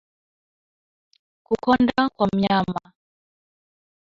Kukonda kwa mnyama